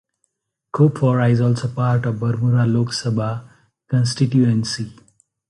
Kupwara is also part of Baramulla Lok Sabha constituency.